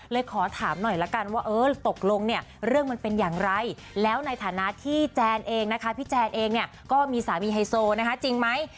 เลยขอถามหน่อยละกันว่าเออตกลงเนี่ยเรื่องมันเป็นอย่างไรแล้วในฐานะที่แจนเองนะคะพี่แจนเองเนี่ยก็มีสามีไฮโซนะคะจริงไหม